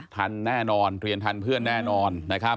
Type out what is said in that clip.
ทันแน่นอนเรียนทันเพื่อนแน่นอนนะครับ